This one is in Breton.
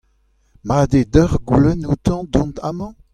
Mat eo deoc'h goulenn outañ dont amañ ?